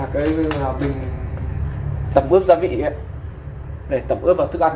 cái là bình tẩm ướp gia vị ấy để tẩm ướp vào thức ăn ấy